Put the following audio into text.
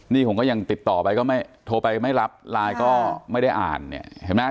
นี่ผมก็ยังติดต่อไปก็ไม่โทรไปไม่รับไลน์ก็ไม่ได้อ่านเนี่ยเห็นไหม